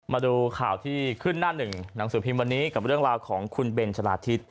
มาดูข่าวที่ขึ้นหน้าหนึ่งหนังสือพิมพ์วันนี้กับเรื่องราวของคุณเบนชะลาทิศ